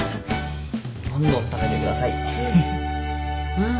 うん。